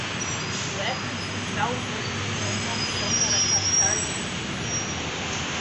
O equity crowdfunding é uma opção para captar fundos.